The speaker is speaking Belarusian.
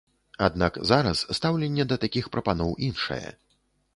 Аднак зараз стаўленне да такіх прапаноў іншае.